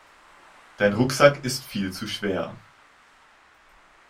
Dein Rucksack ist viel zu schwer.